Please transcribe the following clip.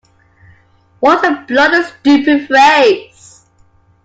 What a bloody stupid phrase.